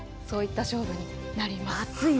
そういった勝負になります。